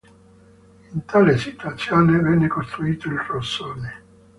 In tale situazione venne costruito il rosone.